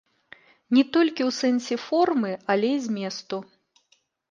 Не толькі ў сэнсе формы, але і зместу.